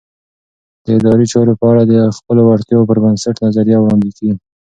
د ادارې چارو په اړه د خپلو وړتیاوو پر بنسټ نظریه وړاندې کړئ.